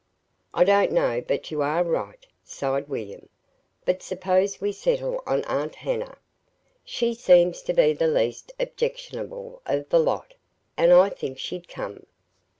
"I don't know but you are right," sighed William. "But suppose we settle on Aunt Hannah. She seems to be the least objectionable of the lot, and I think she'd come.